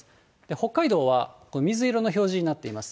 北海道は水色の表示になっています。